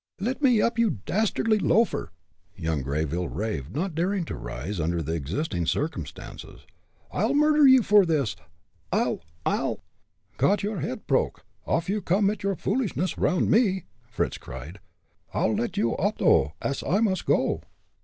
"Let me up, you dastardly loafer!" young Greyville raved, not daring to rise under the existing circumstances. "I'll murder you, for this, I I'll " "Got your head proke, off you come mit your foolishness around me!" Fritz cried. "I'll let you oop, dough, ash I must go!"